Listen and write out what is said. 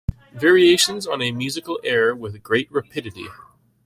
Variations on a musical air With great rapidity.